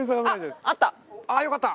あっよかった！